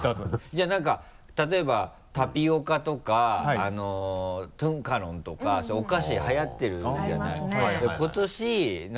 じゃあなんか例えばタピオカとかトゥンカロンとかそういうお菓子はやってるじゃない。